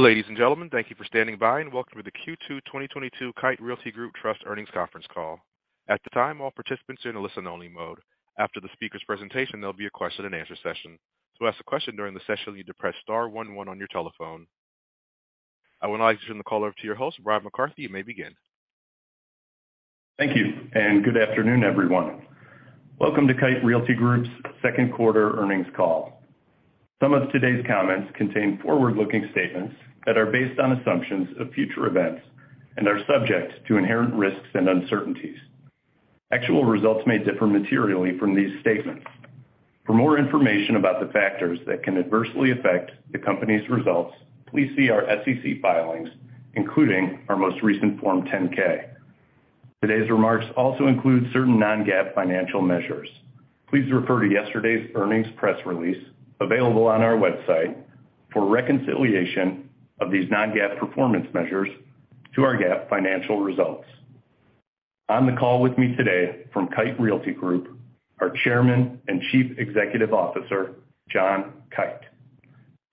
Ladies and gentlemen, thank you for standing by, and Welcome to the Q2 2022 Kite Realty Group Trust Earnings Conference Call. At this time, all participants are in a listen-only mode. After the speaker's presentation, there'll be a question-and-answer session. To ask a question during the session, you need to press star one one on your telephone. I would now like to turn the call over to your host, Bryan McCarthy. You may begin. Thank you, and good afternoon, everyone. Welcome to Kite Realty Group's Q2 Earnings Call. Some of today's comments contain forward-looking statements that are based on assumptions of future events and are subject to inherent risks and uncertainties. Actual results may differ materially from these statements. For more information about the factors that can adversely affect the company's results, please see our SEC filings, including our most recent Form 10-K. Today's remarks also include certain non-GAAP financial measures. Please refer to yesterday's earnings press release available on our website for reconciliation of these non-GAAP performance measures to our GAAP financial results. On the call with me today from Kite Realty Group are Chairman and Chief Executive Officer, John Kite,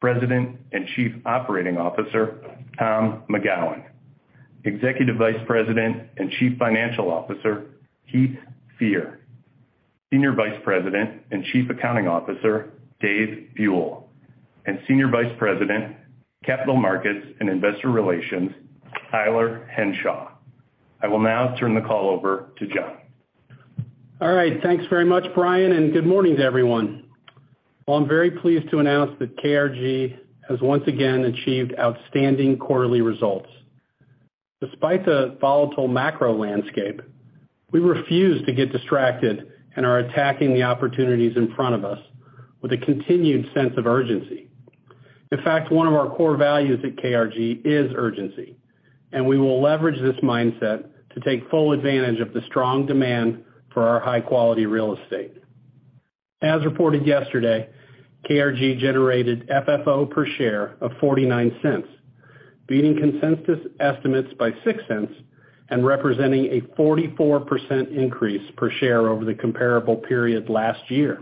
President and Chief Operating Officer, Tom McGowan, Executive Vice President and Chief Financial Officer, Heath Fear, Senior Vice President and Chief Accounting Officer, Dave Buell, and Senior Vice President, Capital Markets and Investor Relations, Tyler Henshaw. I will now turn the call over to John. All right. Thanks very much, Bryan, and good morning to everyone. Well, I'm very pleased to announce that KRG has once again achieved outstanding quarterly results. Despite the volatile macro landscape, we refuse to get distracted and are attacking the opportunities in front of us with a continued sense of urgency. In fact, one of our core values at KRG is urgency, and we will leverage this mindset to take full advantage of the strong demand for our high-quality real estate. As reported yesterday, KRG generated FFO per share of $0.49, beating consensus estimates by $0.06 and representing a 44% increase per share over the comparable period last year.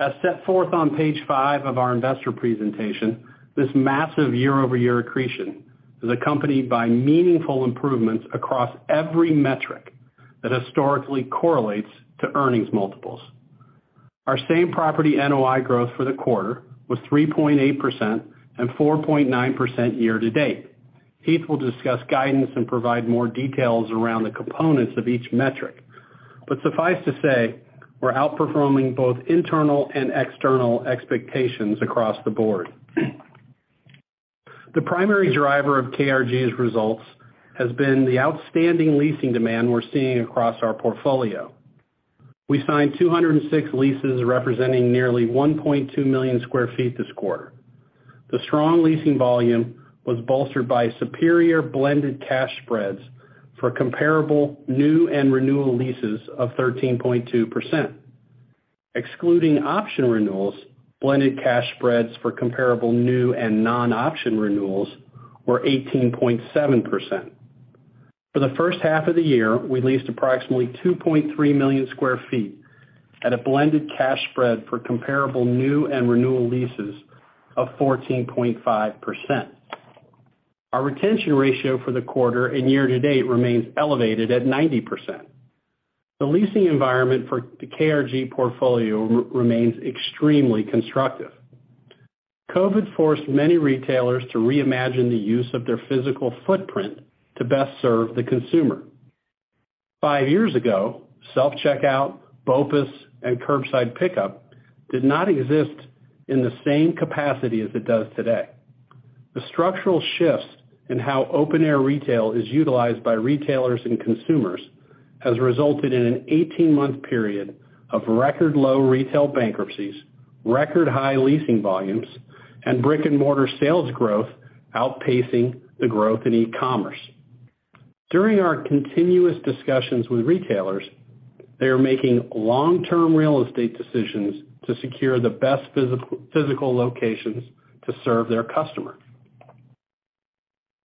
As set forth on page five of our investor presentation, this massive year-over-year accretion is accompanied by meaningful improvements across every metric that historically correlates to earnings multiples. Our same property NOI growth for the quarter was 3.8% and 4.9% year to date. Heath will discuss guidance and provide more details around the components of each metric. Suffice to say, we're outperforming both internal and external expectations across the board. The primary driver of KRG's results has been the outstanding leasing demand we're seeing across our portfolio. We signed 206 leases representing nearly 1.2 million sq ft this quarter. The strong leasing volume was bolstered by superior blended cash spreads for comparable new and renewal leases of 13.2%. Excluding option renewals, blended cash spreads for comparable new and non-option renewals were 18.7%. For the H1 of the year, we leased approximately 2.3 million sq ft at a blended cash spread for comparable new and renewal leases of 14.5%. Our retention ratio for the quarter and year to date remains elevated at 90%. The leasing environment for the KRG portfolio remains extremely constructive. COVID forced many retailers to reimagine the use of their physical footprint to best serve the consumer. Five years ago, self-checkout, BOPUS, and curbside pickup did not exist in the same capacity as it does today. The structural shifts in how open-air retail is utilized by retailers and consumers has resulted in an 18-month period of record low retail bankruptcies, record high leasing volumes, and brick-and-mortar sales growth outpacing the growth in e-commerce. During our continuous discussions with retailers, they are making long-term real estate decisions to secure the best physical locations to serve their customer.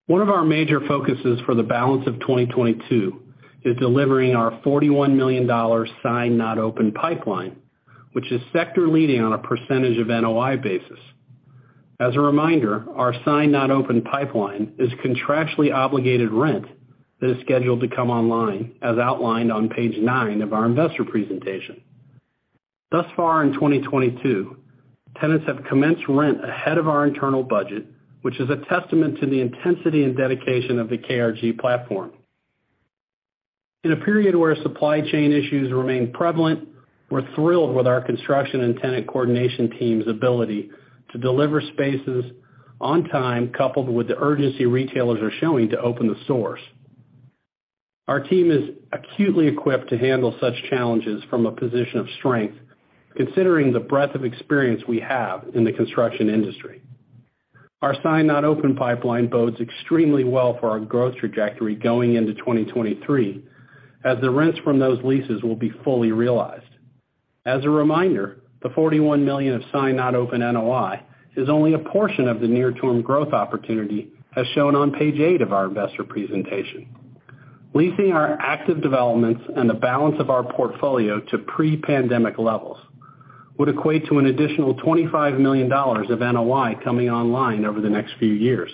One of our major focuses for the balance of 2022 is delivering our $41 million SNO pipeline, which is sector leading on a percentage of NOI basis. As a reminder, our SNO pipeline is contractually obligated rent that is scheduled to come online as outlined on page nine of our investor presentation. Thus far in 2022, tenants have commenced rent ahead of our internal budget, which is a testament to the intensity and dedication of the KRG platform. In a period where supply chain issues remain prevalent, we're thrilled with our construction and tenant coordination team's ability to deliver spaces on time, coupled with the urgency retailers are showing to open stores. Our team is acutely equipped to handle such challenges from a position of strength, considering the breadth of experience we have in the construction industry. Our signed not open pipeline bodes extremely well for our growth trajectory going into 2023 as the rents from those leases will be fully realized. As a reminder, the $41 million of signed not open NOI is only a portion of the near-term growth opportunity as shown on page eight of our investor presentation. Leasing our active developments and the balance of our portfolio to pre-pandemic levels would equate to an additional $25 million of NOI coming online over the next few years.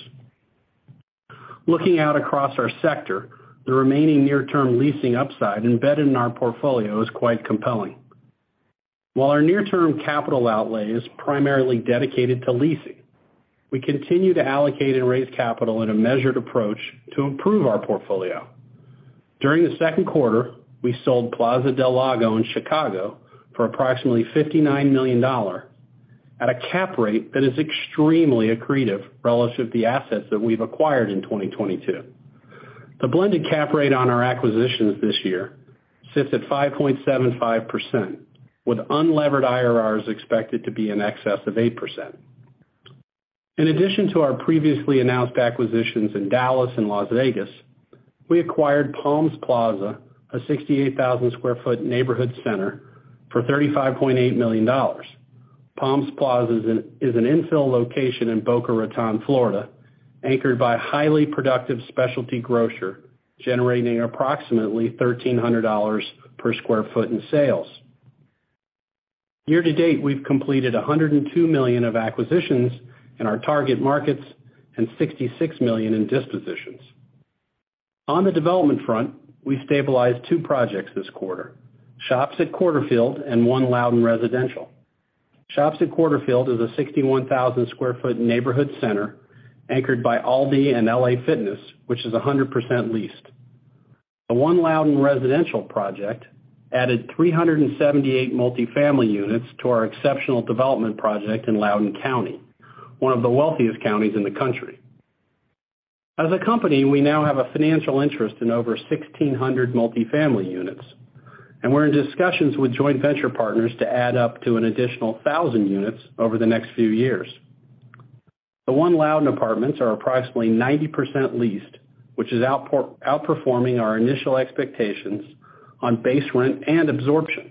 Looking out across our sector, the remaining near-term leasing upside embedded in our portfolio is quite compelling. While our near-term capital outlay is primarily dedicated to leasing, we continue to allocate and raise capital in a measured approach to improve our portfolio. During the Q2, we sold Plaza del Lago in Chicago for approximately $59 million at a cap rate that is extremely accretive relative to assets that we've acquired in 2022. The blended cap rate on our acquisitions this year sits at 5.75%, with unlevered IRRs expected to be in excess of 8%. In addition to our previously announced acquisitions in Dallas and Las Vegas, we acquired Palms Plaza, a 68,000 sq ft neighborhood center, for $35.8 million. Palms Plaza is an infill location in Boca Raton, Florida, anchored by highly productive specialty grocer, generating approximately $1,300 per sq ft in sales. Year to date, we've completed $102 million of acquisitions in our target markets and $66 million in dispositions. On the development front, we stabilized two projects this quarter, Shops at Quarterfield and One Loudoun Residential. Shops at Quarterfield is a 61,000 sq ft neighborhood center anchored by ALDI and LA Fitness, which is 100% leased. The One Loudoun residential project added 378 multifamily units to our exceptional development project in Loudoun County, one of the wealthiest counties in the country. As a company, we now have a financial interest in over 1,600 multifamily units, and we're in discussions with joint venture partners to add up to an additional 1,000 units over the next few years. The One Loudoun apartments are approximately 90% leased, which is outperforming our initial expectations on base rent and absorption,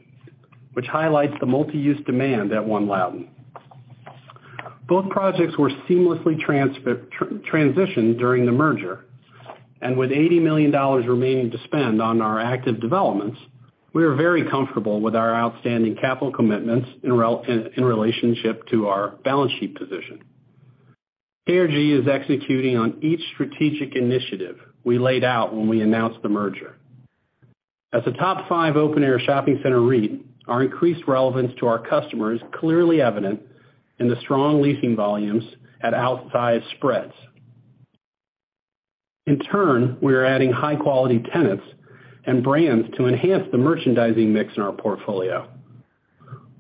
which highlights the mixed-use demand at One Loudoun. Both projects were seamlessly transitioned during the merger. With $80 million remaining to spend on our active developments, we are very comfortable with our outstanding capital commitments in relationship to our balance sheet position. KRG is executing on each strategic initiative we laid out when we announced the merger. As a top five open-air shopping center REIT, our increased relevance to our customer is clearly evident in the strong leasing volumes at outsized spreads. In turn, we are adding high-quality tenants and brands to enhance the merchandising mix in our portfolio.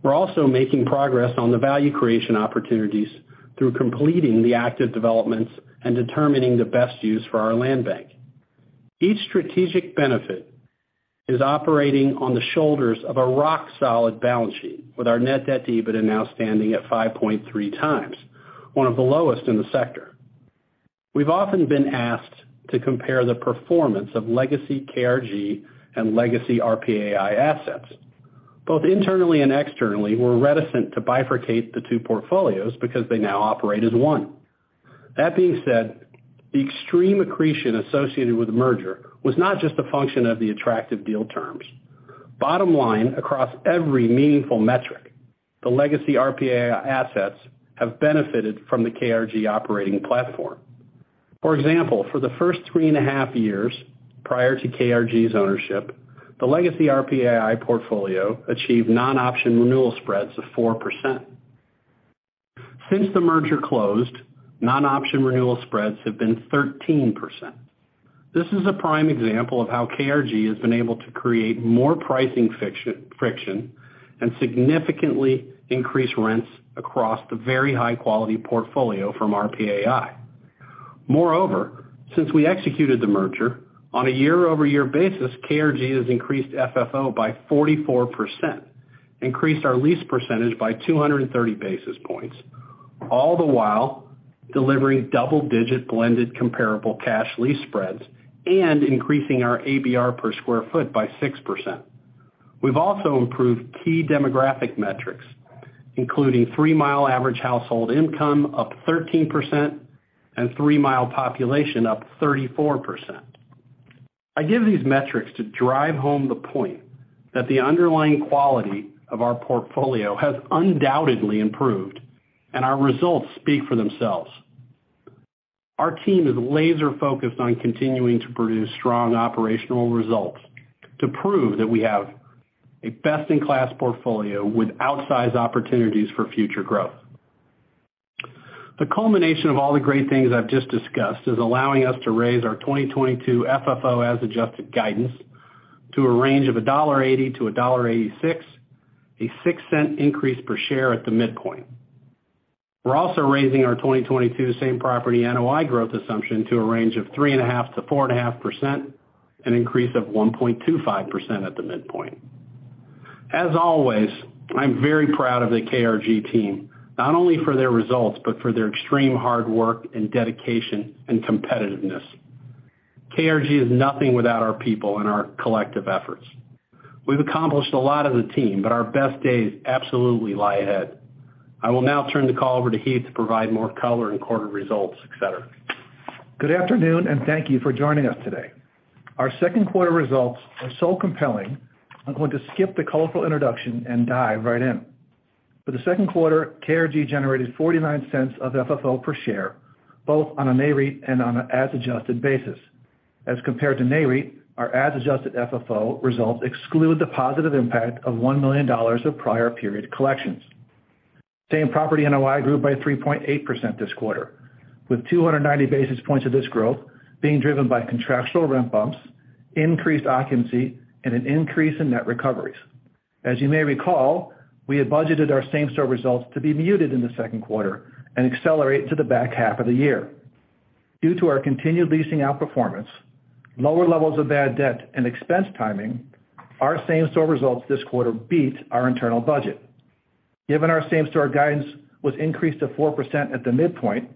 We're also making progress on the value creation opportunities through completing the active developments and determining the best use for our land bank. Each strategic benefit is operating on the shoulders of a rock-solid balance sheet, with our net debt to EBITDA now standing at 5.3 times, one of the lowest in the sector. We've often been asked to compare the performance of legacy KRG and legacy RPAI assets. Both internally and externally, we're reticent to bifurcate the two portfolios because they now operate as one. That being said, the extreme accretion associated with the merger was not just a function of the attractive deal terms. Bottom line, across every meaningful metric, the legacy RPAI assets have benefited from the KRG operating platform. For example, for the first three and a half years prior to KRG's ownership, the legacy RPAI portfolio achieved non-option renewal spreads of 4%. Since the merger closed, non-option renewal spreads have been 13%. This is a prime example of how KRG has been able to create more pricing friction and significantly increase rents across the very high-quality portfolio from RPAI. Moreover, since we executed the merger, on a year-over-year basis, KRG has increased FFO by 44%, increased our lease percentage by 230 basis points, all the while delivering double-digit blended comparable cash lease spreads and increasing our ABR per sq ft by 6%. We've also improved key demographic metrics, including three-mile average household income up 13% and three-mile population up 34%. I give these metrics to drive home the point that the underlying quality of our portfolio has undoubtedly improved, and our results speak for themselves. Our team is laser-focused on continuing to produce strong operational results to prove that we have a best-in-class portfolio with outsized opportunities for future growth. The culmination of all the great things I've just discussed is allowing us to raise our 2022 FFO as adjusted guidance to a range of $1.80-$1.86, a 6-cent increase per share at the midpoint. We're also raising our 2022 same-property NOI growth assumption to a range of 3.5%-4.5%, an increase of 1.25% at the midpoint. As always, I'm very proud of the KRG team, not only for their results, but for their extreme hard work and dedication and competitiveness. KRG is nothing without our people and our collective efforts. We've accomplished a lot as a team, but our best days absolutely lie ahead. I will now turn the call over to Heath to provide more color in quarter results, et cetera. Good afternoon, and thank you for joining us today. Our Q2 results are so compelling, I'm going to skip the colorful introduction and dive right in. For the Q2, KRG generated $0.49 of FFO per share, both on a NAREIT and on an as adjusted basis. As compared to NAREIT, our as adjusted FFO results exclude the positive impact of $1 million of prior period collections. Same property NOI grew by 3.8% this quarter, with 290 basis points of this growth being driven by contractual rent bumps, increased occupancy, and an increase in net recoveries. You may recall, we had budgeted our same-store results to be muted in the Q2 and accelerate to the back half of the year. Due to our continued leasing outperformance, lower levels of bad debt and expense timing, our same-store results this quarter beat our internal budget. Given our same-store guidance was increased to 4% at the midpoint,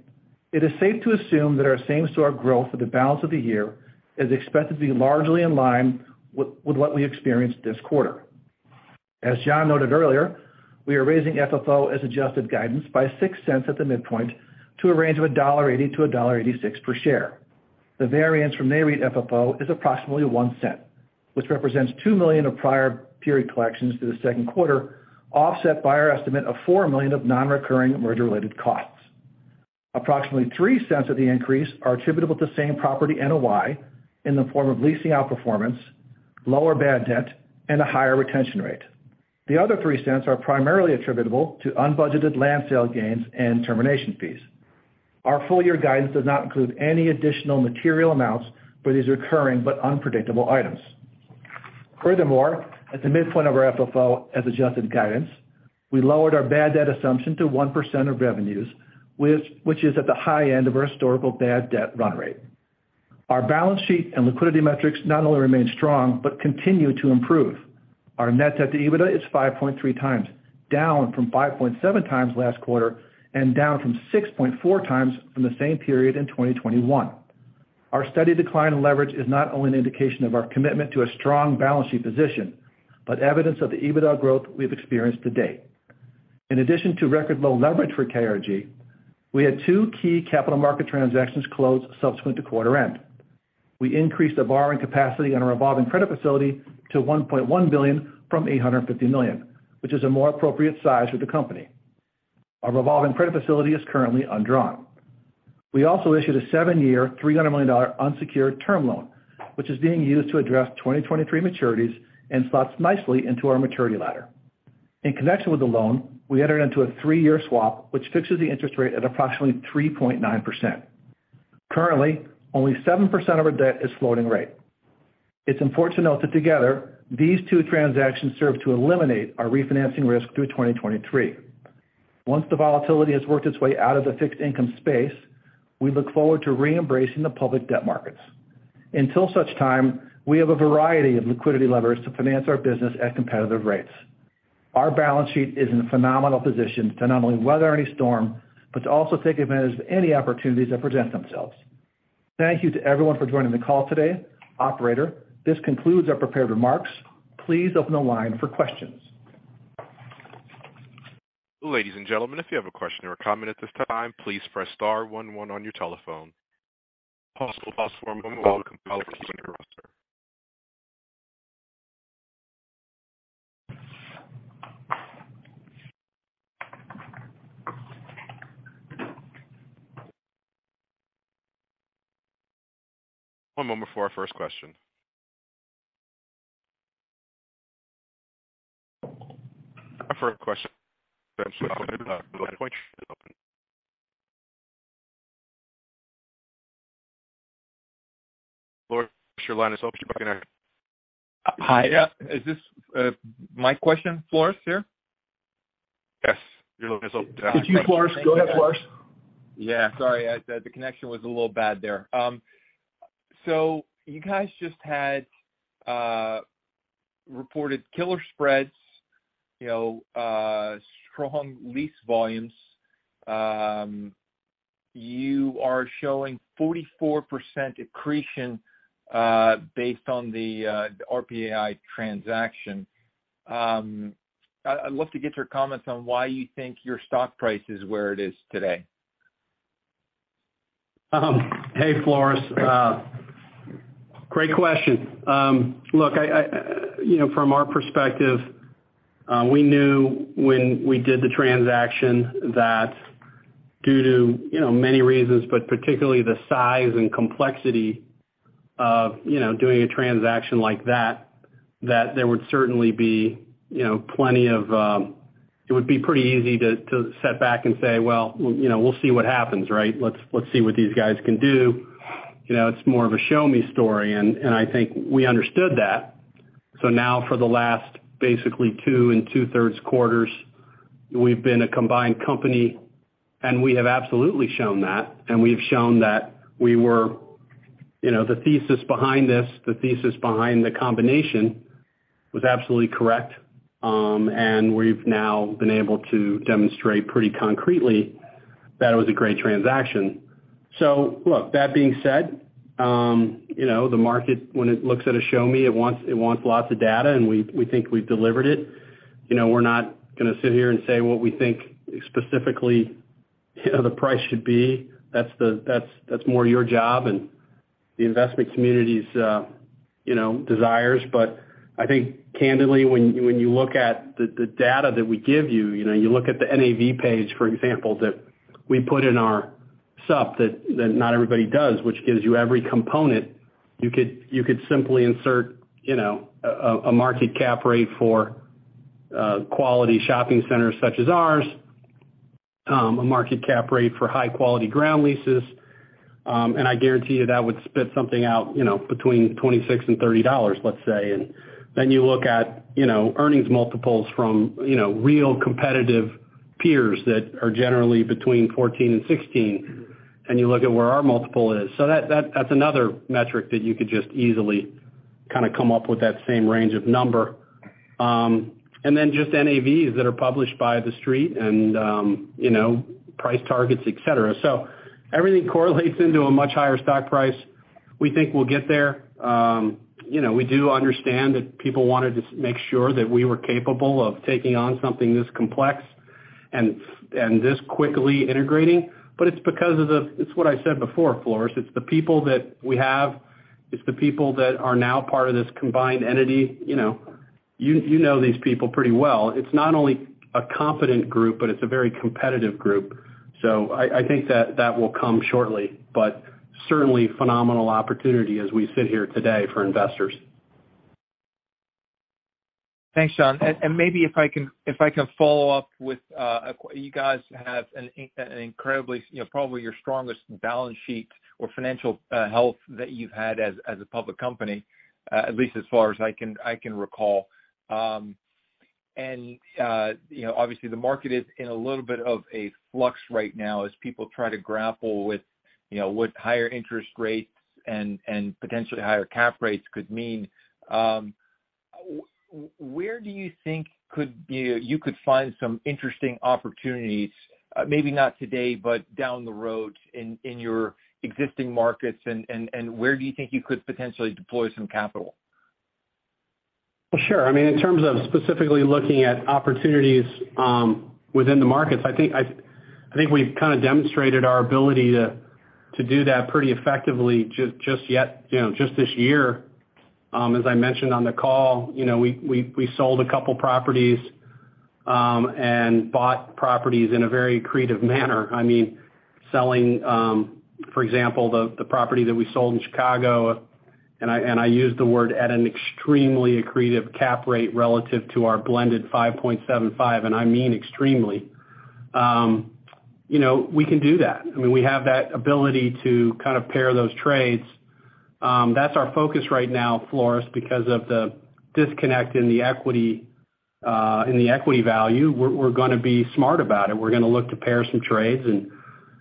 it is safe to assume that our same-store growth for the balance of the year is expected to be largely in line with what we experienced this quarter. As John noted earlier, we are raising FFO as adjusted guidance by $0.06 at the midpoint to a range of $1.80-$1.86 per share. The variance from NAREIT FFO is approximately $0.01, which represents $2 million of prior period collections through the Q2, offset by our estimate of $4 million of non-recurring merger-related costs. Approximately $0.03 of the increase are attributable to same property NOI in the form of leasing outperformance, lower bad debt, and a higher retention rate. The other $0.03 are primarily attributable to unbudgeted land sale gains and termination fees. Our full year guidance does not include any additional material amounts for these recurring but unpredictable items. Furthermore, at the midpoint of our FFO as adjusted guidance, we lowered our bad debt assumption to 1% of revenues, which is at the high end of our historical bad debt run rate. Our balance sheet and liquidity metrics not only remain strong, but continue to improve. Our net debt to EBITDA is 5.3 times, down from 5.7 times last quarter, and down from 6.4 times from the same period in 2021. Our steady decline in leverage is not only an indication of our commitment to a strong balance sheet position, but evidence of the EBITDA growth we've experienced to date. In addition to record low leverage for KRG, we had two key capital market transactions close subsequent to quarter end. We increased the borrowing capacity on a revolving credit facility to $1.1 billion from $850 million, which is a more appropriate size for the company. Our revolving credit facility is currently undrawn. We also issued a seven-year, $300 million unsecured term loan, which is being used to address 2023 maturities and slots nicely into our maturity ladder. In connection with the loan, we entered into a three-year swap, which fixes the interest rate at approximately 3.9%. Currently, only 7% of our debt is floating rate. It's important to note that together, these two transactions serve to eliminate our refinancing risk through 2023. Once the volatility has worked its way out of the fixed income space, we look forward to re-embracing the public debt markets. Until such time, we have a variety of liquidity levers to finance our business at competitive rates. Our balance sheet is in a phenomenal position to not only weather any storm, but to also take advantage of any opportunities that present themselves. Thank you to everyone for joining the call today. Operator, this concludes our prepared remarks. Please open the line for questions. Ladies and gentlemen, if you have a question or a comment at this time, please press star one one on your telephone. One moment for our first question. Floris, your line is open. You can hear. Hi. Yeah. Is this my question, Floris here? Yes. Your line is open. It's you, Floris. Go ahead, Floris. Yeah. Sorry. The connection was a little bad there. You guys just had reported killer spreads, you know, strong lease volumes. You are showing 44% accretion based on the RPAI transaction. I'd love to get your comments on why you think your stock price is where it is today. Hey, Floris. Great question. Look, from our perspective, we knew when we did the transaction that due to, you know, many reasons, but particularly the size and complexity of, you know, doing a transaction like that there would certainly be, you know, plenty of. It would be pretty easy to sit back and say, "Well, you know, we'll see what happens," right? "Let's see what these guys can do." You know, it's more of a show me story, and I think we understood that. Now for the last basically two and two-thirds quarters, we've been a combined company, and we have absolutely shown that, and we've shown that we were. You know, the thesis behind this, the thesis behind the combination was absolutely correct, and we've now been able to demonstrate pretty concretely. That was a great transaction. Look, that being said, you know, the market when it looks at a show me, it wants lots of data, and we think we've delivered it. You know, we're not gonna sit here and say what we think specifically, you know, the price should be. That's more your job and the investment community's, you know, desires. I think candidly, when you look at the data that we give you know, you look at the NAV page, for example, that we put in our sup, that not everybody does, which gives you every component. You could simply insert, you know, a market cap rate for quality shopping centers such as ours, a market cap rate for high-quality ground leases. I guarantee you that would spit something out, you know, between $26 and $30, let's say. Then you look at, you know, earnings multiples from, you know, real competitive peers that are generally between 14x and 16x, and you look at where our multiple is. That's another metric that you could just easily kind of come up with that same range of number. Then just NAVs that are published by the street and, you know, price targets, et cetera. Everything correlates into a much higher stock price. We think we'll get there. You know, we do understand that people wanted to make sure that we were capable of taking on something this complex and this quickly integrating. It's because of that. It's what I said before, Floris. It's the people that we have. It's the people that are now part of this combined entity. You know these people pretty well. It's not only a competent group, but it's a very competitive group. I think that will come shortly, but certainly phenomenal opportunity as we sit here today for investors. Thanks, John. Maybe if I can follow up with, you guys have an incredibly, you know, probably your strongest balance sheet or financial health that you've had as a public company, at least as far as I can recall. You know, obviously the market is in a little bit of a flux right now as people try to grapple with, you know, what higher interest rates and potentially higher cap rates could mean. Where do you think you could find some interesting opportunities, maybe not today, but down the road in your existing markets? Where do you think you could potentially deploy some capital? Sure. I mean, in terms of specifically looking at opportunities within the markets, I think we've kind of demonstrated our ability to do that pretty effectively just this year. As I mentioned on the call, you know, we sold a couple properties and bought properties in a very accretive manner. I mean, selling for example the property that we sold in Chicago and sold at an extremely accretive cap rate relative to our blended 5.75%, and I mean extremely. You know, we can do that. I mean, we have that ability to kind of pair those trades. That's our focus right now, Floris, because of the disconnect in the equity value. We're gonna be smart about it. We're gonna look to pair some trades.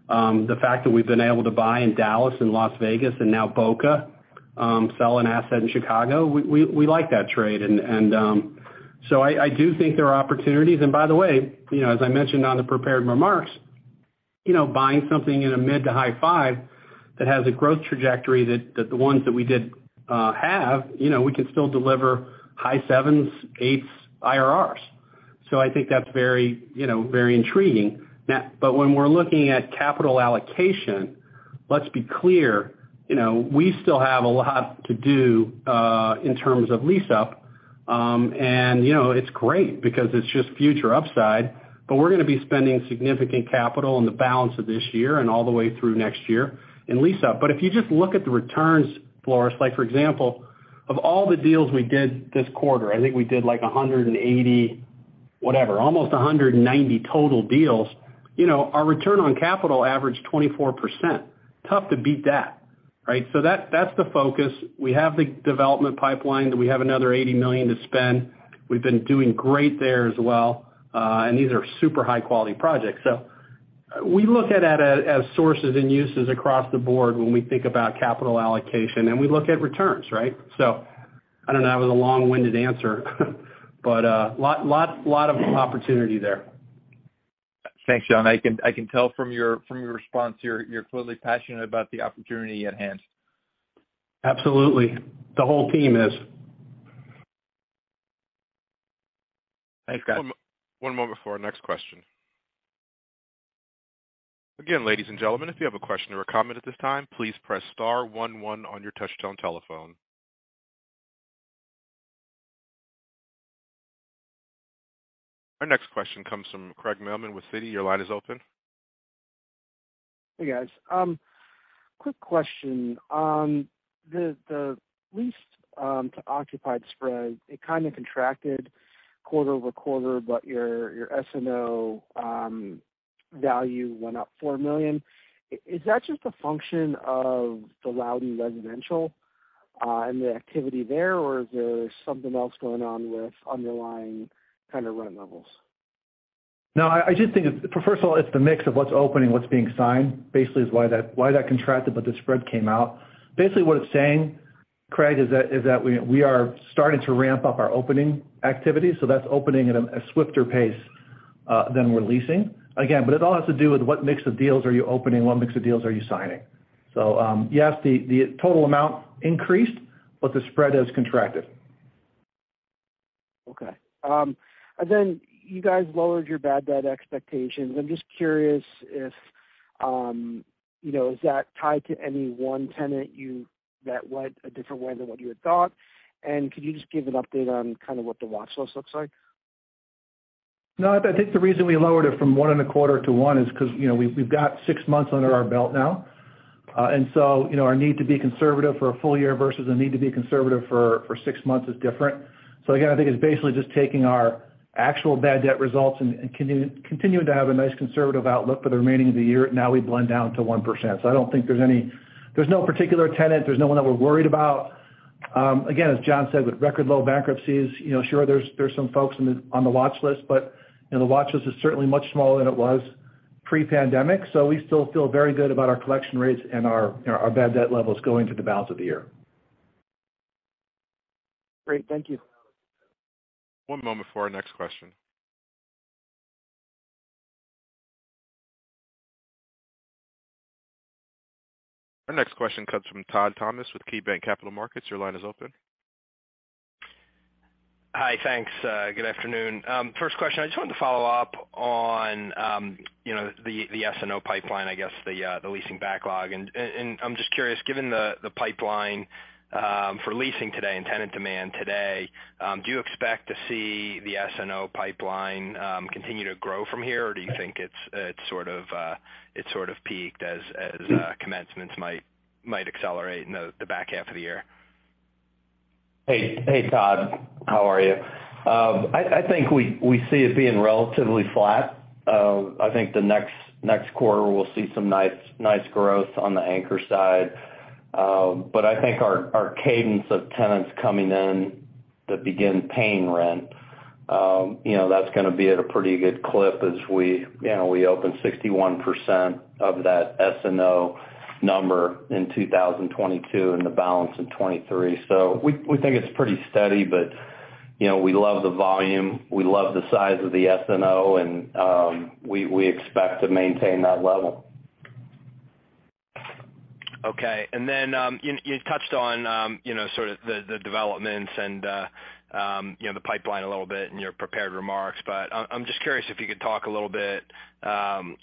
The fact that we've been able to buy in Dallas and Las Vegas and now Boca, sell an asset in Chicago, we like that trade. I do think there are opportunities. By the way, you know, as I mentioned on the prepared remarks, you know, buying something in a mid- to high-5 that has a growth trajectory that the ones that we did have, you know, we can still deliver high 7s, 8s IRRs. I think that's very, you know, very intriguing. Now, but when we're looking at capital allocation, let's be clear, you know, we still have a lot to do in terms of lease up. You know, it's great because it's just future upside, but we're gonna be spending significant capital in the balance of this year and all the way through next year in lease up. If you just look at the returns, Floris, like for example, of all the deals we did this quarter, I think we did like 180, whatever, almost 190 total deals. You know, our return on capital averaged 24%. Tough to beat that, right? That's the focus. We have the development pipeline. We have another $80 million to spend. We've been doing great there as well. These are super high-quality projects. We look at as sources and uses across the board when we think about capital allocation, and we look at returns, right? I don't know. That was a long-winded answer but, lot of opportunity there. Thanks, John. I can tell from your response, you're clearly passionate about the opportunity at hand. Absolutely. The whole team is. Thanks, guys. One moment before our next question. Again, ladies and gentlemen, if you have a question or a comment at this time, please press star one one on your touchtone telephone. Our next question comes from Craig Mailman with Citi. Your line is open. Hey, guys. Quick question. The leased-to-occupied spread, it kind of contracted quarter-over-quarter, but your SNO value went up $4 million. Is that just a function of the Loudoun residential and the activity there, or is there something else going on with underlying kind of rent levels? No, I just think it's. First of all, it's the mix of what's opening, what's being signed, basically is why that contracted, but the spread came out. Basically what it's saying. Craig, is that we are starting to ramp up our opening activities, so that's opening at a swifter pace than we're leasing. Again, but it all has to do with what mix of deals are you opening? What mix of deals are you signing? Yes, the total amount increased, but the spread has contracted. Okay. You guys lowered your bad debt expectations. I'm just curious if, you know, is that tied to any one tenant that went a different way than what you had thought? Could you just give an update on kind of what the watch list looks like? No, I think the reason we lowered it from 1.25%-1% is 'cause, you know, we've got six months under our belt now. You know, our need to be conservative for a full year versus a need to be conservative for six months is different. I think it's basically just taking our actual bad debt results and continuing to have a nice conservative outlook for the remaining of the year. Now we blend down to 1%. I don't think there's no particular tenant, there's no one that we're worried about. Again, as John said, with record low bankruptcies, you know, sure there's some folks on the watch list, but, you know, the watch list is certainly much smaller than it was pre-pandemic. We still feel very good about our collection rates and our, you know, our bad debt levels going through the balance of the year. Great. Thank you. One moment for our next question. Our next question comes from Todd Thomas with KeyBanc Capital Markets. Your line is open. Hi. Thanks. Good afternoon. First question, I just wanted to follow up on, you know, the SNO pipeline, I guess, the leasing backlog. I'm just curious, given the pipeline for leasing today and tenant demand today, do you expect to see the SNO pipeline continue to grow from here? Or do you think it's sort of peaked as commencements might accelerate in the back half of the year? Hey. Hey, Todd. How are you? I think we see it being relatively flat. I think the next quarter we'll see some nice growth on the anchor side. But I think our cadence of tenants coming in that begin paying rent, you know, that's gonna be at a pretty good clip as we, you know, we open 61% of that SNO number in 2022 and the balance in 2023. We think it's pretty steady, but, you know, we love the volume, we love the size of the SNO, and we expect to maintain that level. Okay. You touched on, you know, sort of the developments and, you know, the pipeline a little bit in your prepared remarks. I'm just curious if you could talk a little bit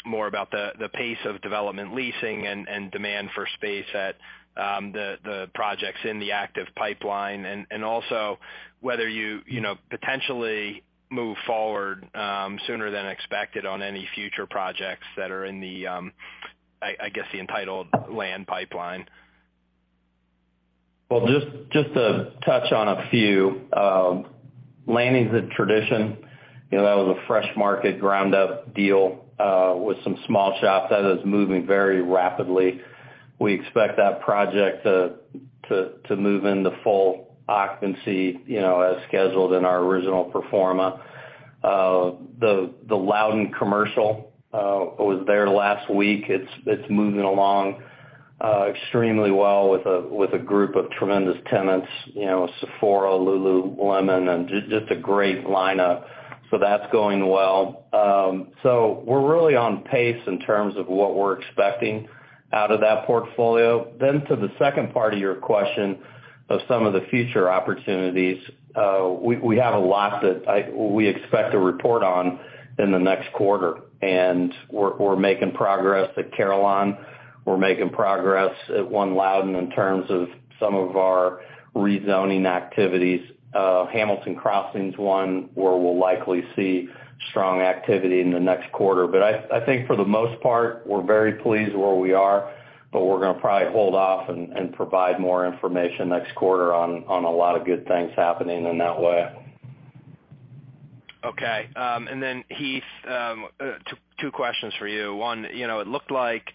more about the pace of development leasing and demand for space at the projects in the active pipeline. Also whether you know potentially move forward sooner than expected on any future projects that are in the, I guess, the entitled land pipeline. Well, just to touch on a few. Landings at Tradition, you know, that was a The Fresh Market ground up deal, with some small shops. That is moving very rapidly. We expect that project to move into full occupancy, you know, as scheduled in our original pro forma. The Loudoun Commercial, I was there last week. It's moving along extremely well with a group of tremendous tenants, you know, Sephora, Lululemon, and just a great lineup. That's going well. We're really on pace in terms of what we're expecting out of that portfolio. To the second part of your question of some of the future opportunities, we have a lot we expect to report on in the next quarter, and we're making progress at Carillon. We're making progress at One Loudoun in terms of some of our rezoning activities. Hamilton Crossing's one where we'll likely see strong activity in the next quarter. I think for the most part, we're very pleased where we are, but we're gonna probably hold off and provide more information next quarter on a lot of good things happening in that way. Okay. Then, Heath, two questions for you. One, you know, it looked like,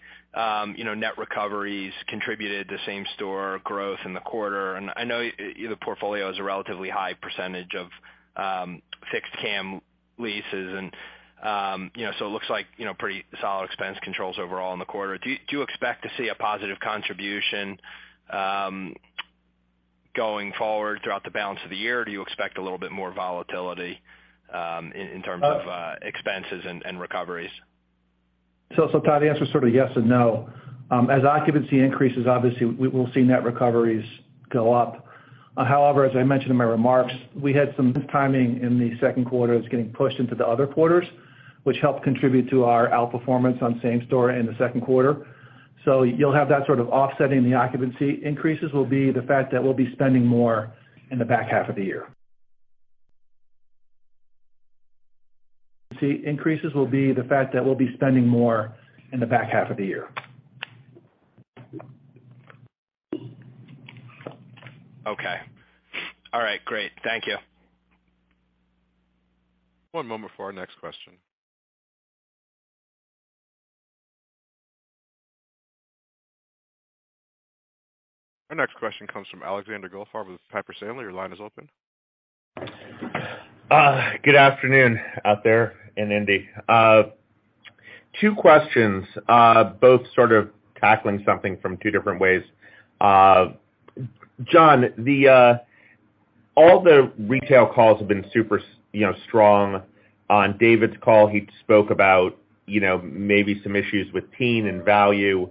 you know, net recoveries contributed to same-store growth in the quarter. I know the portfolio is a relatively high percentage of fixed CAM leases and, you know, so it looks like, you know, pretty solid expense controls overall in the quarter. Do you expect to see a positive contribution, going forward throughout the balance of the year? Or do you expect a little bit more volatility, in terms of expenses and recoveries? Todd, the answer is sort of yes and no. As occupancy increases, obviously we'll see net recoveries go up. However, as I mentioned in my remarks, we had some timing in the Q2 that's getting pushed into the other quarters, which helped contribute to our outperformance on same-store in the Q2. You'll have that sort of offsetting the occupancy increases will be the fact that we'll be spending more in the back half of the year. Okay. All right. Great. Thank you. One moment for our next question. Our next question comes from Alexander Goldfarb with Piper Sandler. Your line is open. Good afternoon out there in Indy. Two questions, both sort of tackling something from two different ways. John, all the retail calls have been super strong. On David's call, he spoke about, you know, maybe some issues with teen and value,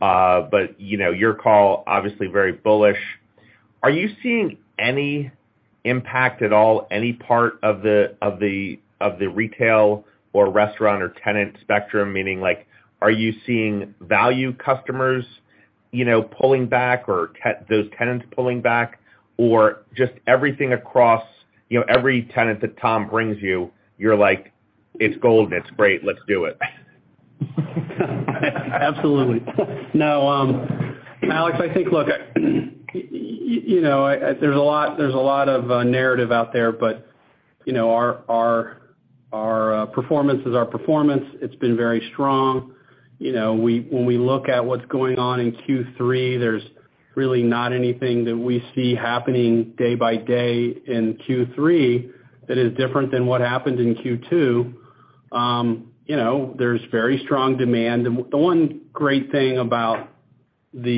but, you know, your call obviously very bullish. Are you seeing any impact at all, any part of the retail or restaurant or tenant spectrum? Meaning like, are you seeing value customers, you know, pulling back or those tenants pulling back? Or just everything across, you know, every tenant that Tom brings you're like, "It's gold, it's great, let's do it. Absolutely. No, Alex, I think, look, you know, there's a lot of narrative out there. You know, our performance is our performance. It's been very strong. You know, when we look at what's going on in Q3, there's really not anything that we see happening day by day in Q3 that is different than what happened in Q2. You know, there's very strong demand. The one great thing about the,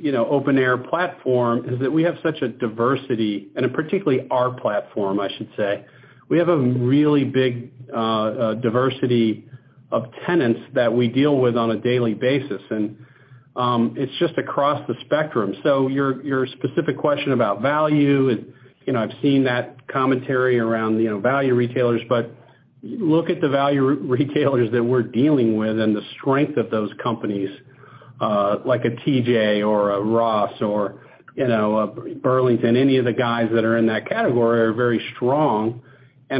you know, open air platform is that we have such a diversity, and particularly our platform, I should say. We have a really big diversity of tenants that we deal with on a daily basis. It's just across the spectrum. Your specific question about value and, you know, I've seen that commentary around, you know, value retailers. Look at the value retailers that we're dealing with and the strength of those companies, like a TJ or a Ross or, you know, a Burlington, any of the guys that are in that category are very strong.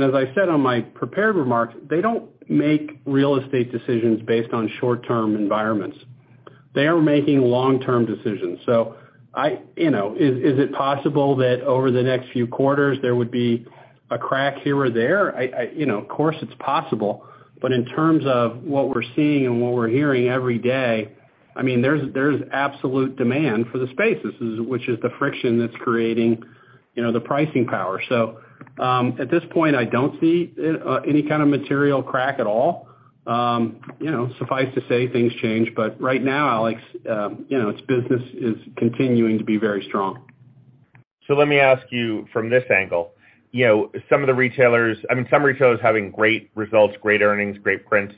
As I said on my prepared remarks, they don't make real estate decisions based on short-term environments. They are making long-term decisions. You know, is it possible that over the next few quarters there would be a crack here or there? You know, of course it's possible. In terms of what we're seeing and what we're hearing every day, I mean, there's absolute demand for the space, which is the friction that's creating, you know, the pricing power. At this point, I don't see any kind of material crack at all. You know, suffice to say things change, but right now, Alex, you know, it's business is continuing to be very strong. Let me ask you from this angle. You know, some of the retailers, I mean, some retailers are having great results, great earnings, great prints.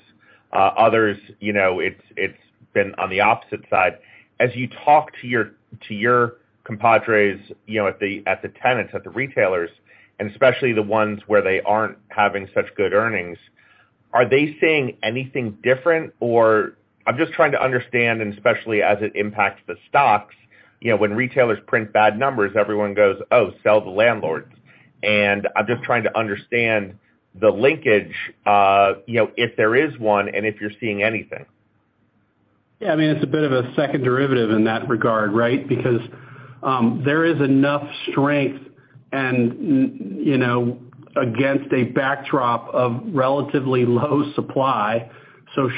Others, you know, it's been on the opposite side. As you talk to your compadres, you know, at the tenants, at the retailers, and especially the ones where they aren't having such good earnings, are they seeing anything different? Or I'm just trying to understand, and especially as it impacts the stocks, you know, when retailers print bad numbers, everyone goes, "Oh, sell the landlords." I'm just trying to understand the linkage, you know, if there is one and if you're seeing anything. Yeah, I mean, it's a bit of a second derivative in that regard, right? Because there is enough strength and, you know, against a backdrop of relatively low supply.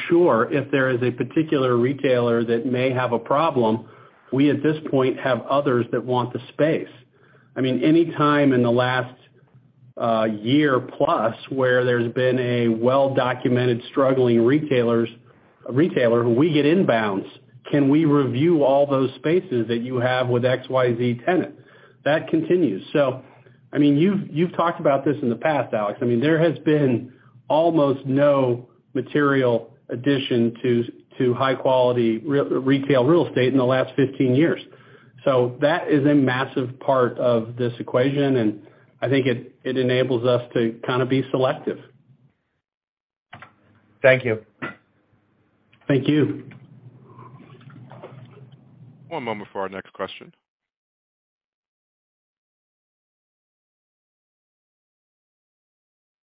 Sure, if there is a particular retailer that may have a problem, we at this point, have others that want the space. I mean, any time in the last year plus, where there's been a well-documented struggling retailer, we get inbounds. Can we review all those spaces that you have with XYZ tenant? That continues. I mean, you've talked about this in the past, Alex. I mean, there has been almost no material addition to high quality retail real estate in the last 15 years. That is a massive part of this equation, and I think it enables us to kind of be selective. Thank you. Thank you. One moment for our next question.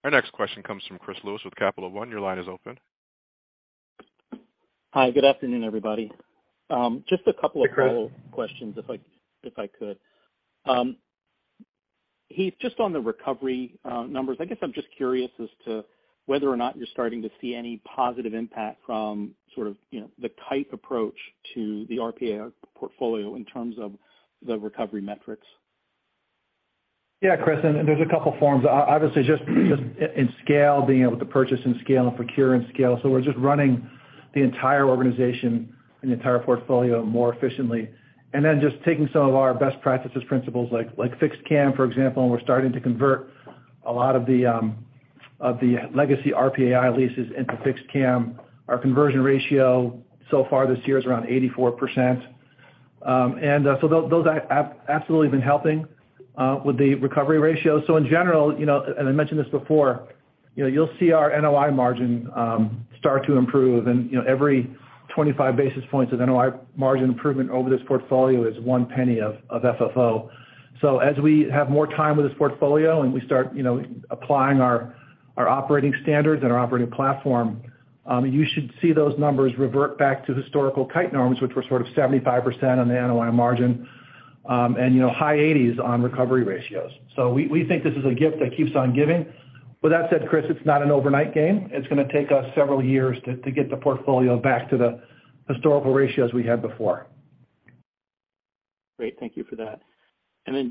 Our next question comes from Chris Lewis with Capital One. Your line is open. Hi, good afternoon, everybody. Hey, Chris. Quick questions if I could. Heath, just on the recovery numbers, I guess I'm just curious as to whether or not you're starting to see any positive impact from sort of, you know, the tight approach to the RPA portfolio in terms of the recovery metrics. Yeah, Chris, there's a couple forms. Obviously, just in scale, being able to purchase in scale and procure in scale. We're just running the entire organization and the entire portfolio more efficiently. Then just taking some of our best practices principles like fixed CAM, for example, and we're starting to convert a lot of the legacy RPAI leases into fixed CAM. Our conversion ratio so far this year is around 84%. And so those absolutely been helping with the recovery ratio. In general, you know, and I mentioned this before, you know, you'll see our NOI margin start to improve. You know, every 25 basis points of NOI margin improvement over this portfolio is one penny of FFO. As we have more time with this portfolio and we start, you know, applying our operating standards and our operating platform, you should see those numbers revert back to historical Kite norms, which were sort of 75% on the NOI margin, and you know, high 80s% on recovery ratios. We think this is a gift that keeps on giving. With that said, Chris, it's not an overnight game. It's gonna take us several years to get the portfolio back to the historical ratios we had before. Great. Thank you for that.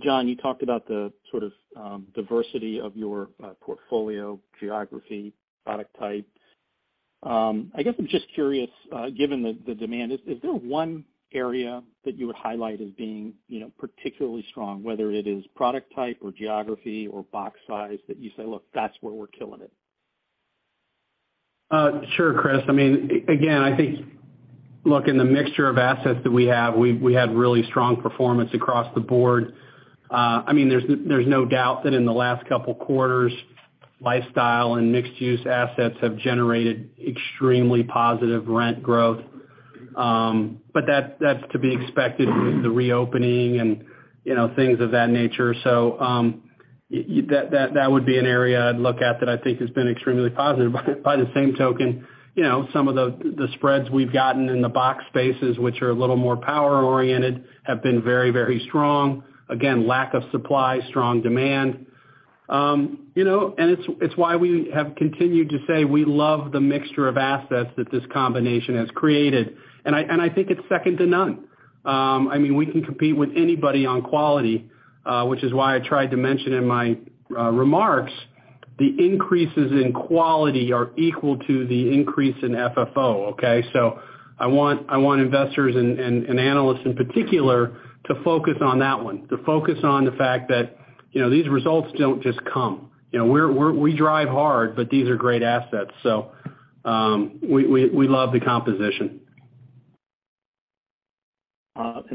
John, you talked about the sort of diversity of your portfolio, geography, product types. I guess I'm just curious, given the demand, is there one area that you would highlight as being, you know, particularly strong, whether it is product type or geography or box size, that you say, "Look, that's where we're killing it. Sure, Chris. I mean, again, I think, look, in the mixture of assets that we have, we had really strong performance across the board. I mean, there's no doubt that in the last couple quarters, lifestyle and mixed use assets have generated extremely positive rent growth. That's to be expected with the reopening and, you know, things of that nature. That would be an area I'd look at that I think has been extremely positive. By the same token, you know, some of the spreads we've gotten in the box spaces, which are a little more power oriented, have been very strong. Again, lack of supply, strong demand. You know, and it's why we have continued to say we love the mixture of assets that this combination has created. I think it's second to none. I mean, we can compete with anybody on quality, which is why I tried to mention in my remarks, the increases in quality are equal to the increase in FFO, okay? I want investors and analysts in particular to focus on that one, to focus on the fact that, you know, these results don't just come. You know, we drive hard, but these are great assets. We love the composition.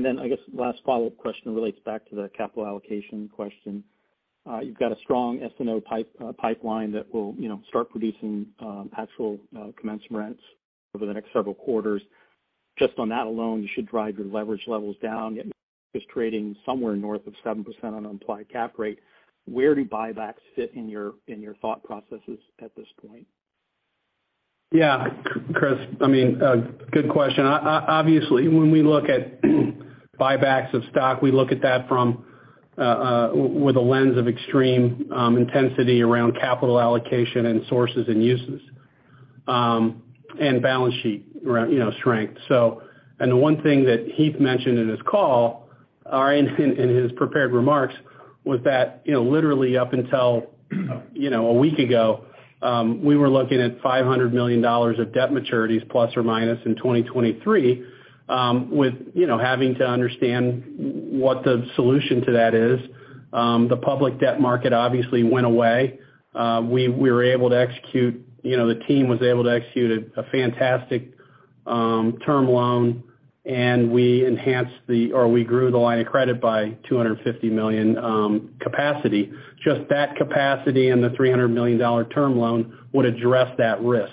I guess last follow-up question relates back to the capital allocation question. You've got a strong S&O pipeline that will, you know, start producing actual commencement rents over the next several quarters. Just on that alone, you should drive your leverage levels down, just trading somewhere north of 7% on implied cap rate. Where do buybacks fit in your thought processes at this point? Yeah, Chris, I mean, a good question. Obviously, when we look at buybacks of stock, we look at that from, with a lens of extreme intensity around capital allocation and sources and uses, and balance sheet around, you know, strength. The one thing that Heath mentioned in his call, or in his prepared remarks, was that, you know, literally up until, you know, a week ago, we were looking at $500 million of debt maturities plus or minus in 2023, with, you know, having to understand what the solution to that is. The public debt market obviously went away. We were able to execute, you know, the team was able to execute a fantastic term loan, and we grew the line of credit by $250 million capacity. Just that capacity and the $300 million term loan would address that risk.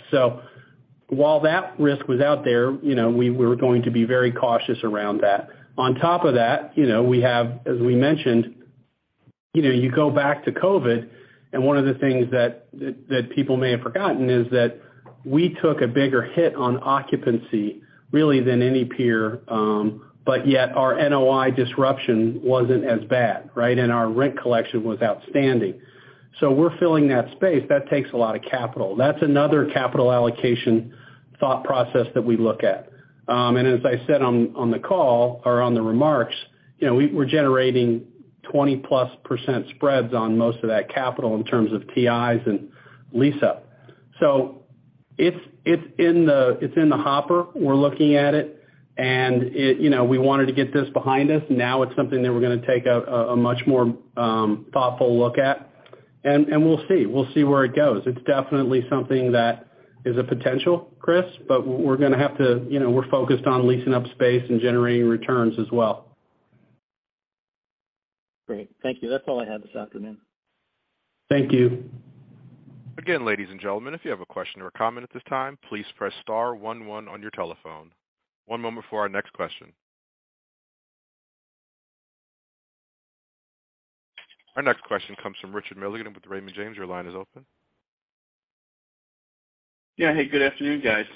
While that risk was out there, you know, we were going to be very cautious around that. On top of that, you know, we have, as we mentioned, you know, you go back to COVID, and one of the things that people may have forgotten is that we took a bigger hit on occupancy really than any peer, but yet our NOI disruption wasn't as bad, right? Our rent collection was outstanding. We're filling that space. That takes a lot of capital. That's another capital allocation thought process that we look at. As I said on the call or on the remarks, you know, we're generating 20%+ spreads on most of that capital in terms of TIs and lease up. It's in the hopper. We're looking at it, and you know we wanted to get this behind us. Now it's something that we're gonna take a much more thoughtful look at, and we'll see. We'll see where it goes. It's definitely something that is a potential, Chris, but we're gonna have to, you know, we're focused on leasing up space and generating returns as well. Great. Thank you. That's all I had this afternoon. Thank you. Again, ladies and gentlemen, if you have a question or comment at this time, please press star one one on your telephone. One moment for our next question. Our next question comes from RJ Milligan with Raymond James. Your line is open. Yeah. Hey, good afternoon, guys.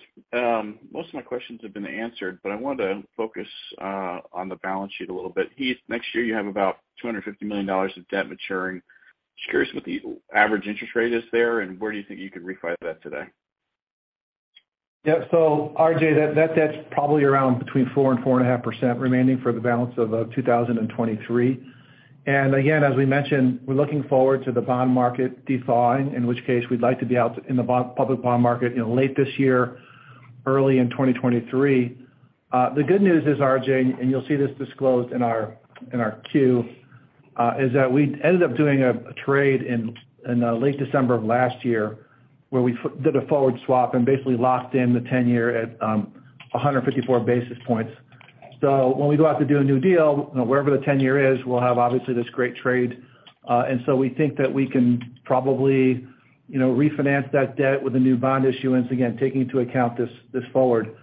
Most of my questions have been answered, but I wanted to focus on the balance sheet a little bit. Heath, next year you have about $250 million of debt maturing. Just curious what the average interest rate is there, and where do you think you could refi that today? Yeah. RJ, that's probably around between 4% and 4.5% remaining for the balance of 2023. Again, as we mentioned, we're looking forward to the bond market thawing, in which case we'd like to be out in the public bond market, you know, late this year, early 2023. The good news is, RJ, and you'll see this disclosed in our Q, is that we ended up doing a trade in late December of last year, where we did a forward swap and basically locked in the 10-year at 154 basis points. When we go out to do a new deal, you know, wherever the 10-year is, we'll have obviously this great trade. We think that we can probably, you know, refinance that debt with a new bond issuance, again, taking into account this forward,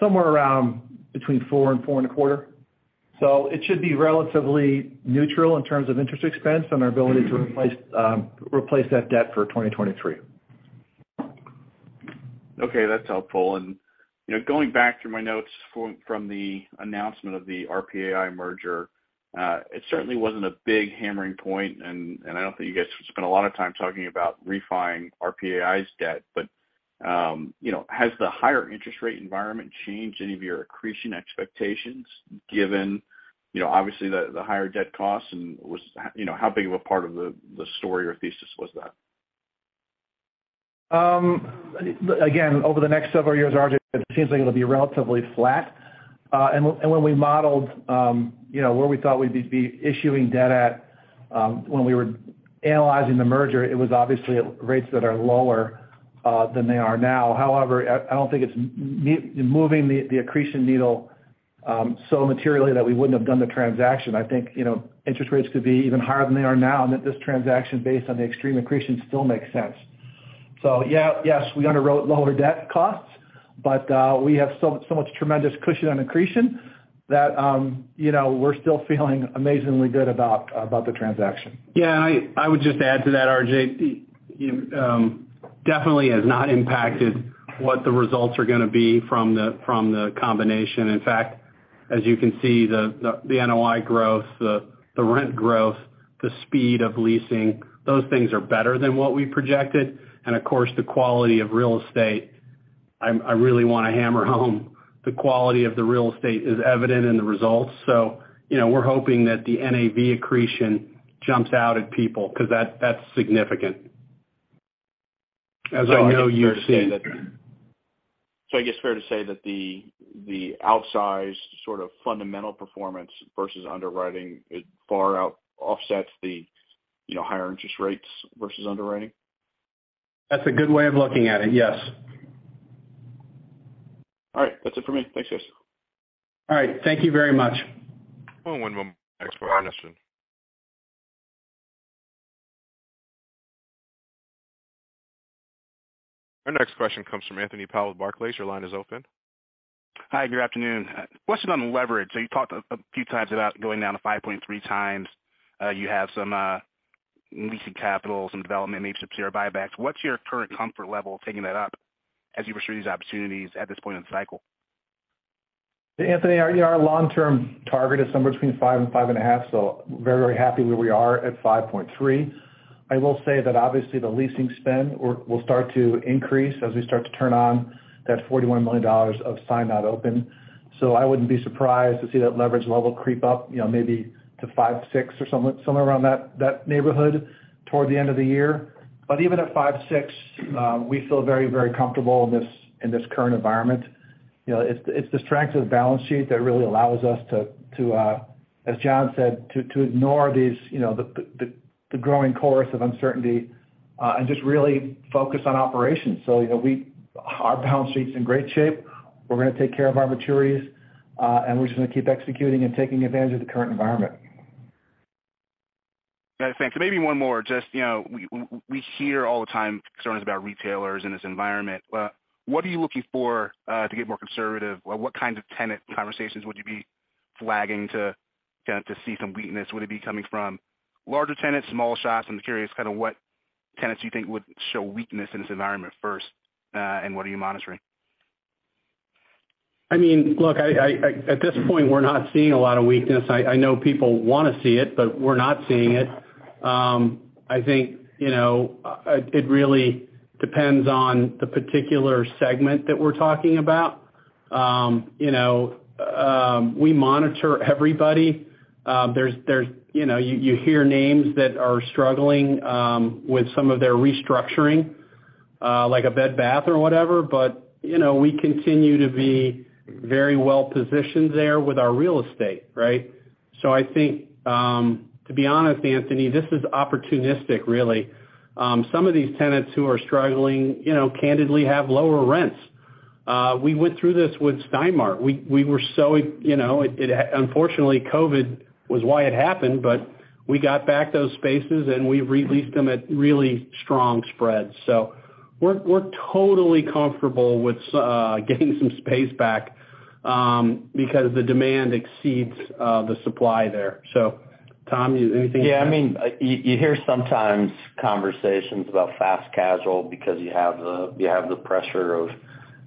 somewhere around between 4% and 4.25%. It should be relatively neutral in terms of interest expense on our ability to replace that debt for 2023. Okay, that's helpful. You know, going back through my notes from the announcement of the RPAI merger, it certainly wasn't a big hammering point, and I don't think you guys spent a lot of time talking about refi-ing RPAI's debt, but You know, has the higher interest rate environment changed any of your accretion expectations given, you know, obviously the higher debt costs and, you know, how big of a part of the story or thesis was that? Again, over the next several years, RJ, it seems like it'll be relatively flat. When we modeled, you know, where we thought we'd be issuing debt at, when we were analyzing the merger, it was obviously at rates that are lower than they are now. However, I don't think it's moving the accretion needle so materially that we wouldn't have done the transaction. I think, you know, interest rates could be even higher than they are now, and that this transaction based on the extreme accretion still makes sense. Yeah. Yes, we underwrote lower debt costs, but we have so much tremendous cushion on accretion that, you know, we're still feeling amazingly good about the transaction. Yeah. I would just add to that, RJ, definitely has not impacted what the results are gonna be from the combination. In fact, as you can see, the NOI growth, the rent growth, the speed of leasing, those things are better than what we projected. Of course, the quality of real estate, I really wanna hammer home the quality of the real estate is evident in the results. You know, we're hoping that the NAV accretion jumps out at people because that's significant. As I know you've seen. I guess it's fair to say that the outsized sort of fundamental performance versus underwriting far outoffsets the, you know, higher interest rates versus underwriting. That's a good way of looking at it. Yes. All right. That's it for me. Thanks, guys. All right. Thank you very much. One moment. Next question. Our next question comes from Anthony Powell with Barclays. Your line is open. Hi. Good afternoon. Question on leverage. You talked a few times about going down to 5.3x. You have some leasing capital, some development, maybe some share buybacks. What's your current comfort level taking that up as you pursue these opportunities at this point in the cycle? Anthony, our long-term target is somewhere between 5 and 5.5, very, very happy where we are at 5.3. I will say that obviously the leasing spend will start to increase as we start to turn on that $41 million of signed not open. I wouldn't be surprised to see that leverage level creep up, you know, maybe to 5.6 or somewhere around that neighborhood toward the end of the year. Even at 5.6, we feel very, very comfortable in this current environment. You know, it's the strength of the balance sheet that really allows us to, as John said, to ignore these, you know, the growing chorus of uncertainty, and just really focus on operations. You know, our balance sheet's in great shape. We're gonna take care of our maturities, and we're just gonna keep executing and taking advantage of the current environment. Yeah. Thanks. Maybe one more. Just, you know, we hear all the time concerns about retailers in this environment. What are you looking for to get more conservative? What kinds of tenant conversations would you be flagging to kind of see some weakness? Would it be coming from larger tenants, small shops? I'm curious kind of what tenants you think would show weakness in this environment first, and what are you monitoring? I mean, look, I at this point, we're not seeing a lot of weakness. I know people wanna see it, but we're not seeing it. I think, you know, it really depends on the particular segment that we're talking about. You know, we monitor everybody. There's, you know, you hear names that are struggling with some of their restructuring, like a Bed Bath or whatever. You know, we continue to be very well positioned there with our real estate, right? I think, to be honest, Anthony, this is opportunistic really. Some of these tenants who are struggling, you know, candidly have lower rents. We went through this with Stein Mart. We were so, you know. It unfortunately, COVID was why it happened, but we got back those spaces, and we re-leased them at really strong spreads. We're totally comfortable with getting some space back because the demand exceeds the supply there. Tom, anything. Yeah. I mean, you hear sometimes conversations about fast casual because you have the pressure of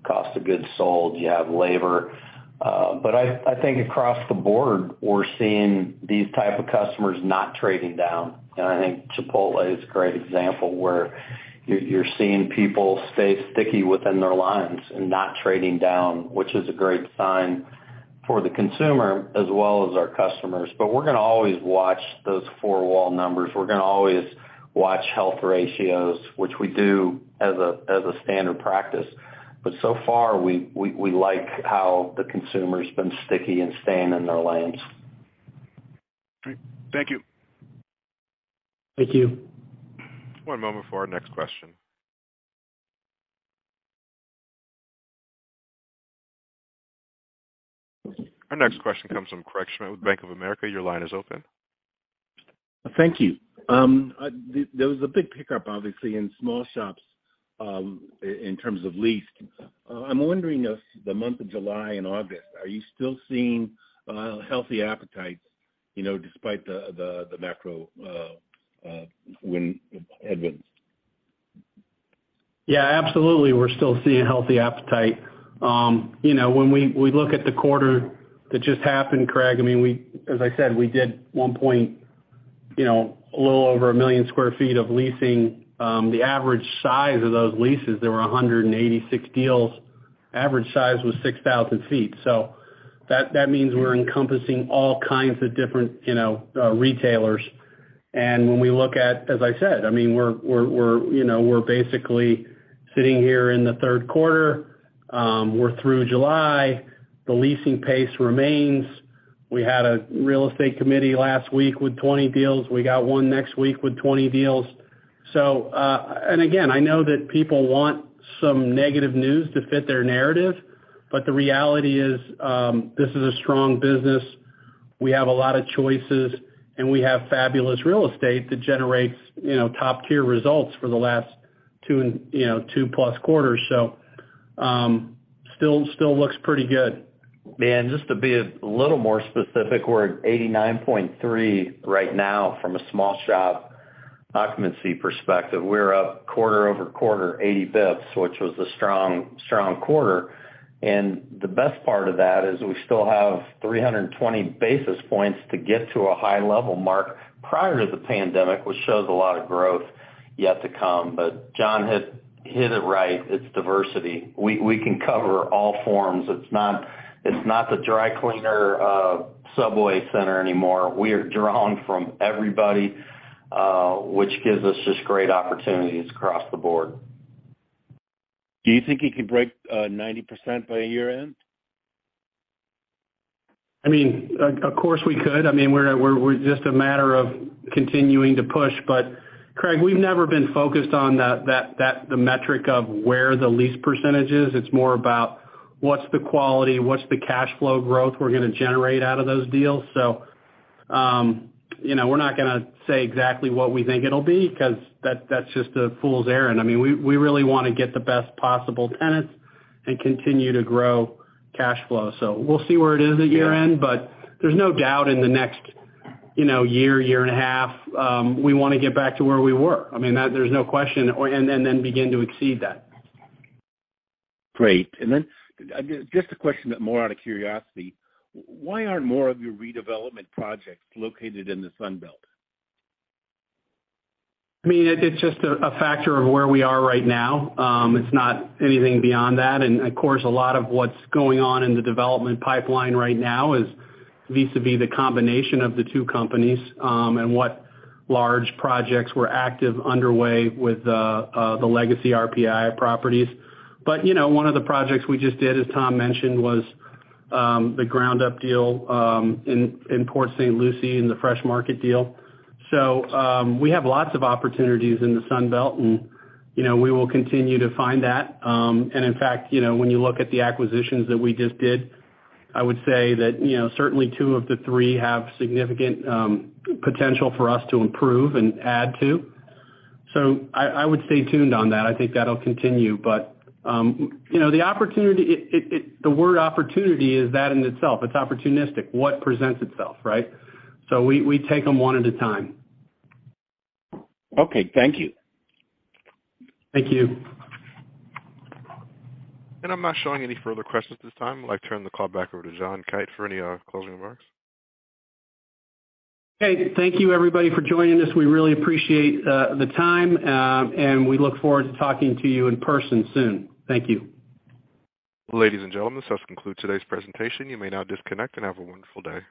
cost of goods sold, you have labor. I think across the board, we're seeing these type of customers not trading down. I think Chipotle is a great example where you're seeing people stay sticky within their lines and not trading down, which is a great sign for the consumer as well as our customers. We're gonna always watch those four wall numbers. We're gonna always watch health ratios, which we do as a standard practice. So far, we like how the consumer's been sticky and staying in their lanes. All right. Thank you. Thank you. One moment for our next question. Our next question comes from Craig Schmidt with Bank of America. Your line is open. Thank you. There was a big pickup obviously in small shops in terms of lease. I'm wondering if the month of July and August, are you still seeing healthy appetites, you know, despite the macro headwinds? Yeah, absolutely. We're still seeing healthy appetite. You know, when we look at the quarter that just happened, Craig, I mean, as I said, we did, you know, a little over a million sq ft of leasing. The average size of those leases, there were 186 deals, average size was 6,000 sq ft. So that means we're encompassing all kinds of different, you know, retailers. When we look at, as I said, I mean, we're, you know, we're basically sitting here in the Q3, we're through July, the leasing pace remains. We had a real estate committee last week with 20 deals. We got one next week with 20 deals. I know that people want some negative news to fit their narrative, but the reality is, this is a strong business. We have a lot of choices, and we have fabulous real estate that generates, you know, top-tier results for the last 2, you know, 2-plus quarters. Still looks pretty good. Just to be a little more specific, we're at 89.3% right now from a small shop occupancy perspective. We're up quarter-over-quarter, 80 basis points, which was a strong quarter. The best part of that is we still have 320 basis points to get to a high level mark prior to the pandemic, which shows a lot of growth yet to come. John hit it right. It's diversity. We can cover all forms. It's not the dry cleaner, subway center anymore. We are drawing from everybody, which gives us just great opportunities across the board. Do you think you could break 90% by year-end? I mean, of course, we could. I mean, we're just a matter of continuing to push. Craig, we've never been focused on that the metric of where the lease percentage is. It's more about what's the quality, what's the cash flow growth we're gonna generate out of those deals. You know, we're not gonna say exactly what we think it'll be 'cause that's just a fool's errand. I mean, we really wanna get the best possible tenants and continue to grow cash flow. We'll see where it is at year-end. There's no doubt in the next year and a half we wanna get back to where we were. I mean, there's no question and then begin to exceed that. Great. Just a question more out of curiosity, why aren't more of your redevelopment projects located in the Sun Belt? I mean, it's just a factor of where we are right now. It's not anything beyond that. Of course, a lot of what's going on in the development pipeline right now is vis-à-vis the combination of the two companies, and what large projects were actively underway with the legacy RPAI properties. You know, one of the projects we just did, as Tom mentioned, was the ground-up deal in Port St. Lucie and the Fresh Market deal. We have lots of opportunities in the Sun Belt and, you know, we will continue to find that. In fact, you know, when you look at the acquisitions that we just did, I would say that, you know, certainly two of the three have significant potential for us to improve and add to. I would stay tuned on that. I think that'll continue. You know, the opportunity, the word opportunity is that in itself, it's opportunistic, what presents itself, right? We take them one at a time. Okay, thank you. Thank you. I'm not showing any further questions at this time. I'd like to turn the call back over to John Kite for any closing remarks. Hey, thank you everybody for joining us. We really appreciate the time, and we look forward to talking to you in person soon. Thank you. Ladies and gentlemen, this does conclude today's presentation. You may now disconnect and have a wonderful day.